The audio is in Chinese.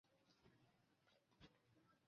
泰蒂厄人口变化图示